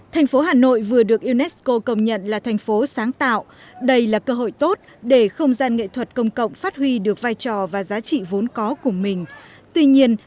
thành phố hà nội vừa được unesco công nhận là thành phố sáng tạo đây là cơ hội tốt để không gian nghệ thuật công cộng phát huy được vai trò và giá trị vốn có của mình